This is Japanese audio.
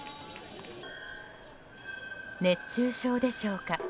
熱中症でしょうか。